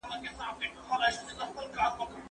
ولسي جرګه به د بزګرانو د ستونزو د حل لټه وکړي.